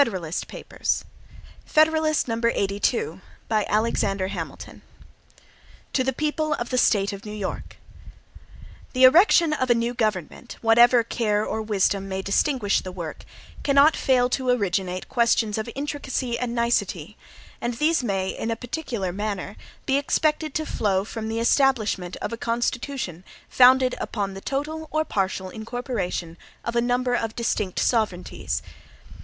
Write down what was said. From McLEAN's Edition, New York. Wednesday, May 28, 1788 HAMILTON To the People of the State of New York: THE erection of a new government, whatever care or wisdom may distinguish the work, cannot fail to originate questions of intricacy and nicety; and these may, in a particular manner, be expected to flow from the establishment of a constitution founded upon the total or partial incorporation of a number of distinct sovereignties.